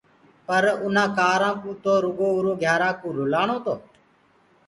پر اُنآ ڪآرآ ڪوُ تو روگو اُرو گھيارا ڪوُ رلآڻو تو۔